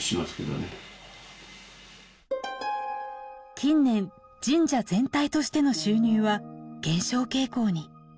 近年神社全体としての収入は減少傾向に。